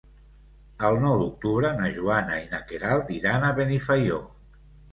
El nou d'octubre na Joana i na Queralt iran a Benifaió.